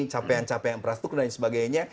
capaian capaian peras tukeran dan lain sebagainya